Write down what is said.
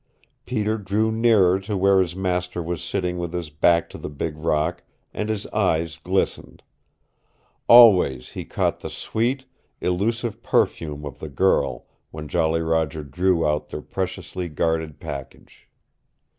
Peter drew nearer to where his master was sitting with his back to the big rock, and his eyes glistened. Always he caught the sweet, illusive perfume of the girl when Jolly Roger drew out their preciously guarded package.